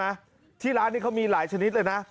อาหารนี้เขามีหลายชนิดเลยนะ